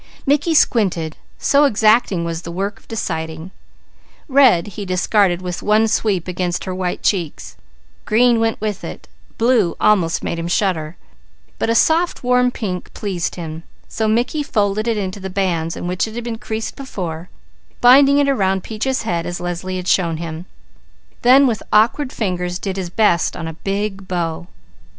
Mickey squinted, so exacting was the work of deciding. Red he discarded with one sweep against her white cheeks; green went with it; blue almost made him shudder, but a soft warm pink pleased him, so Mickey folded it into the bands in which it had been creased before, binding it around Peaches' head as Leslie had shown him, then with awkward fingers did his best on a big bow.